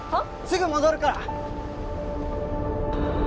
すぐ戻るから！